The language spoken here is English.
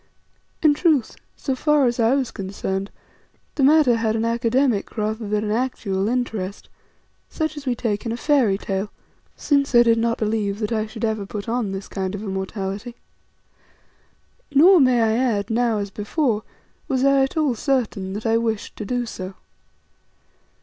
In truth, so far as I was concerned, the matter had an academic rather than an actual interest, such as we take in a fairy tale, since I did not believe that I should ever put on this kind of immortality. Nor, I may add, now as before, was I at all certain that I wished to do so.